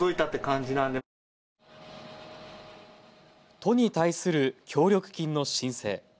都に対する協力金の申請。